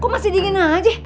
kok masih dingin aja